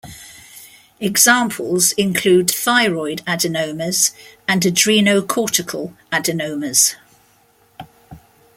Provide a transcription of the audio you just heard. Examples include thyroid adenomas and adrenocortical adenomas.